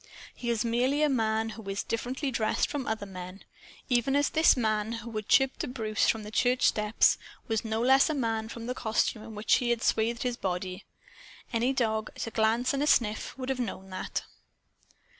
He is merely a man who is differently dressed from other men even as this man who had chirped to Bruce, from the church steps, was no less a man for the costume in which he had swathed his body. Any dog, at a glance and at a sniff, would have known that.